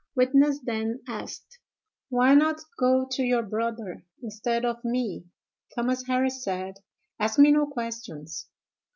Witness then asked, 'Why not go to your brother, instead of me?' Thomas Harris said, 'Ask me no questions.